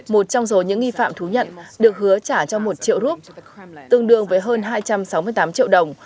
một trong số những nghi phạm thú nhận được hứa trả cho một triệu rút tương đương với hơn hai trăm sáu mươi tám triệu đồng